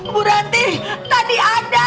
buranti tadi ada